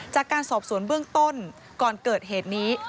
จากการสอบสวนเบื้องต้นก่อนเกิดเหตุนี้